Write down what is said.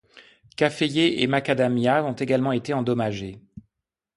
Caféiers et macadamia ont également été endommagés.